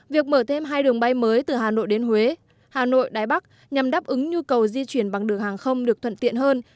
việc mở thêm hai đường bay mới từ hà nội đến huế hà nội đài bắc nhằm đáp ứng nhu cầu di chuyển bằng đường hàng không được thuận tiện hơn